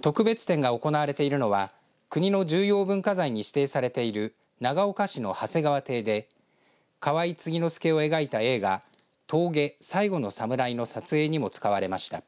特別展が行われているのは国の重要文化財に指定されている長岡市の長谷川邸で河井継之助を描いた映画峠、最後のサムライの撮影にも使われました。